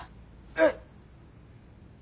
えっ。